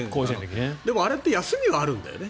でもあれって休みはあるんだよね。